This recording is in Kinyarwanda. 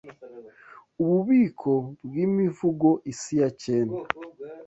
Ububiko bw'Imivugo Isi ya cyenda